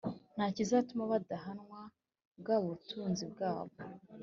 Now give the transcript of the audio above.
Nta kizatuma badahanwa bwaba ubutunzi bwabo